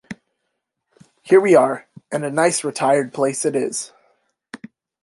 Here we are, and a nice retired place it is.